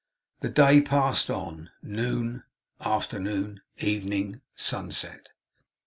The day passed on. Noon, afternoon, evening. Sunset.